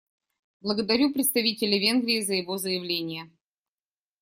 Благодарю представителя Венгрии за его заявление.